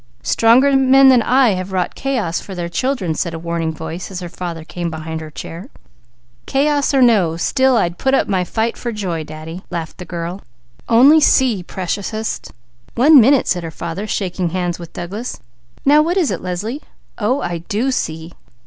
Stronger men than I have wrought chaos for their children," said a warning voice, as her father came behind her chair. "Chaos or no, still I'd put up my fight for joy, Daddy," laughed the girl. "Only see, Preciousest!" "One minute!" said her father, shaking hands with Douglas. "Now what is it, Leslie? Oh, I do see!"